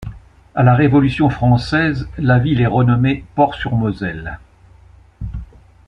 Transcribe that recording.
À la Révolution française, la ville est renommée Port-sur-Moselle.